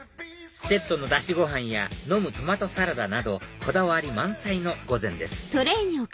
セットのダシご飯や飲むトマトサラダなどこだわり満載の御膳です